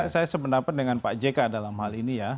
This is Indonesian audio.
saya sependapat dengan pak jk dalam hal ini ya